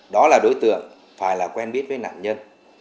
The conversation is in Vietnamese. đó là đối tượng phải là quen biết với nạn nhân